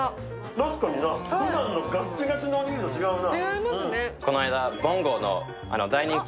確かにな。ふだんのガッチガチのおにぎりとは違うな。